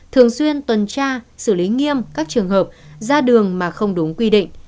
thường xuyên tuần tra xử lý nghiêm các trường hợp ra đường mà không đúng quy định